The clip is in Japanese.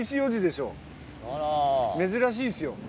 珍しいですよ。